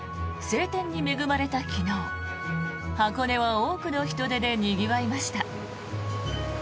晴天に恵まれた昨日箱根は多くの人出でにぎわいました。